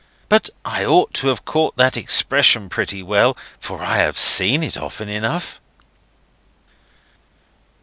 But I ought to have caught that expression pretty well, for I have seen it often enough."